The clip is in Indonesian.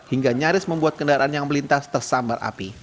hingga nyaris membuat kendaraan yang melintas tersambar api